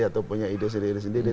atau punya ide sendiri sendiri